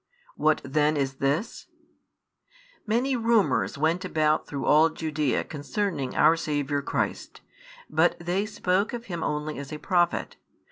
What then is this? Many rumours |47 went about through all Judaea concerning our Saviour Christ, but they spoke of Him only as a Prophet.